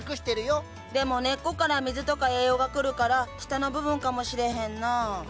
でも根っこから水とか栄養がくるから下の部分かもしれへんなあ。